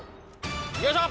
よいしょ！